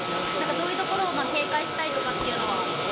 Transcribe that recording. どういうところを警戒したいとかっていうのは？